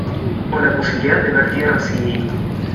o la posibilidad de ver tierra si...